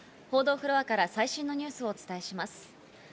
報道フロアから最新のニュースをお伝えします。